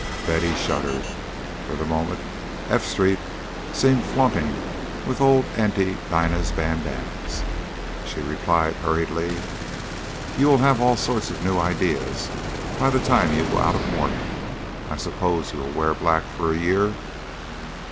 Betty shuddered. For the moment F Street seemed flaunting with old Aunty Dinah's bandannas. She replied hurriedly, "You will have all sorts of new ideas by the time you go out of mourning. I suppose you will wear black for a year."